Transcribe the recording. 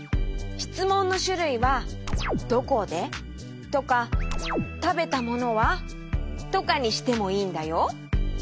しつもんのしゅるいは「どこで？」とか「たべたものは？」とかにしてもいいんだよ。